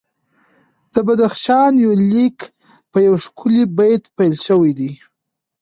د بدخشان یونلیک په یو ښکلي بیت پیل شوی دی.